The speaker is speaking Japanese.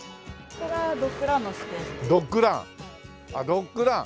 ドッグラン。